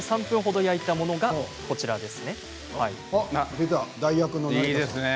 ３分ほど焼いたものがこちらです。